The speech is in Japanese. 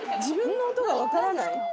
自分の音が分からない？